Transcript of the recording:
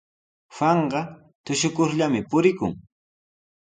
Juanqa tushukurllami purikun.